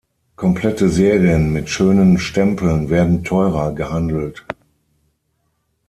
Komplette Serien mit schönen Stempeln werden teurer gehandelt.